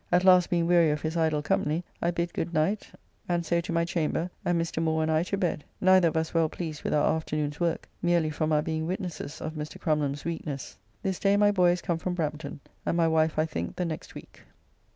At last being weary of his idle company, I bid good night and so to my chamber and Mr. [Moore] and I to bed, neither of us well pleased with our afternoon's work, merely from our being witnesses of Mr. Crumlum's weakness. This day my boy is come from Brampton, and my wife I think the next week.